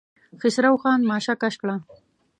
خسرو خان ماشه کش کړه.